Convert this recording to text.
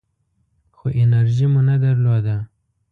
خو انرژي مو نه درلوده .